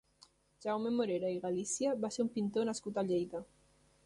Jaume Morera i Galícia va ser un pintor nascut a Lleida.